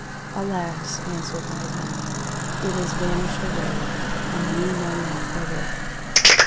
"Alas!'1' answered Ivan, "it is vanished away, and we know not whither."